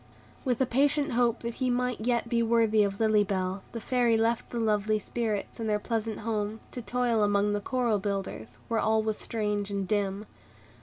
With a patient hope that he might yet be worthy of Lily Bell, the Fairy left the lovely spirits and their pleasant home, to toil among the coral builders, where all was strange and dim.